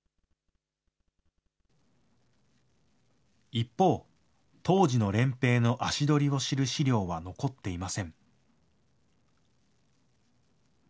一方、当時の漣平の足取りを知る資料は残っていません。